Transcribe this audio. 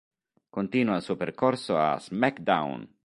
Continua il suo percorso a "SmackDown!